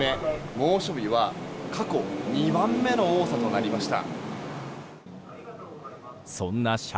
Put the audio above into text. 猛暑日は過去２番目の多さとなりました。